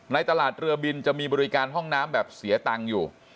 ในตลาดเรือบินจะมีบริการห้องน้ำแบบเสียตังค์อยู่